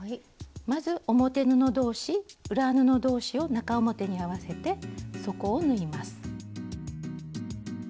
まず表布どうし裏布どうしを中表に合わせて底を縫います。